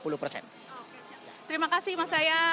terima kasih mas ayah